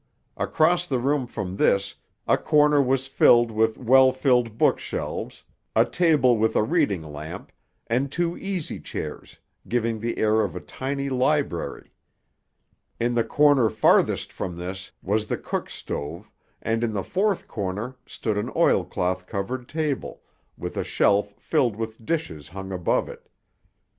Across the room from this, a corner was filled with well filled bookshelves, a table with a reading lamp, and two easy chairs, giving the air of a tiny library. In the corner farthest from this was the cook stove, and in the fourth corner stood an oilcloth covered table with a shelf filled with dishes hung above it.